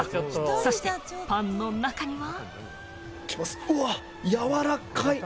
そして、パンの中には。